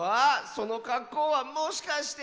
そのかっこうはもしかして。